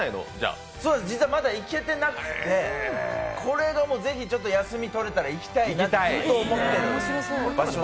実はまだ行けてなくてこれがもう、ぜひ休みとれたら行きたいなと思ってる。